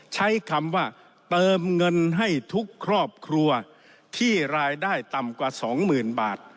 ใช้คำว่าเติมเงินให้ทุกครอบครัวที่รายได้ต่ำกว่าสองหมื่นบาท